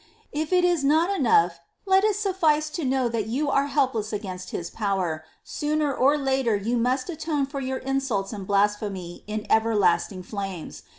9. If this is not enough, let it suflice to know that you are helpless against His power — sooner or later you must atone for your insults and blasphemy in everlasting flames.